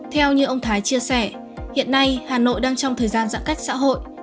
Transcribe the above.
theo như ông thái chia sẻ hiện nay hà nội đang trong thời gian giãn cách xã hội